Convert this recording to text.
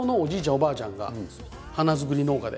おばあちゃんが花作り農家で。